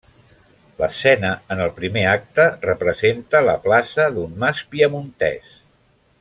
L'escena en el primer acte representa la plaça d'un mas piamontès.